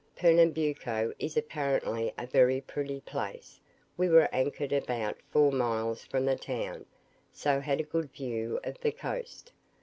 Pernambuco is apparently a very pretty place. We were anchored about four miles from the town, so had a good view of the coast.